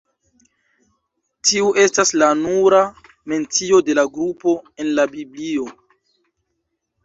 Tiu estas la nura mencio de la grupo en la Biblio.